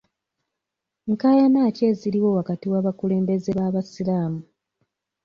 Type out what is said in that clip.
Nkaayana ki eziriwo wakati w'abakulembeze b'abasiraamu?